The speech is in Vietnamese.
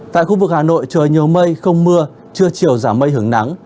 tại khu vực hà nội trời nhiều mây không mưa chưa chiều giả mây hướng nắng